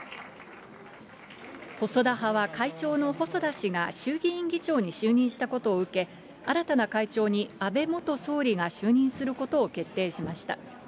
細田派は会長の細田氏が衆議院議長に就任したことを受け、新たな会長に安倍元総理が就任することを決定しました。